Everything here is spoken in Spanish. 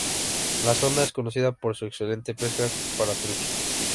El zona es conocida por su excelente pesca para trucha.